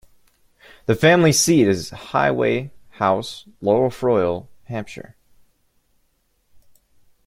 The family seat is Highway House, Lower Froyle, Hampshire.